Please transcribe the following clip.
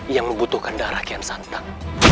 yang membutuhkan darah kian santan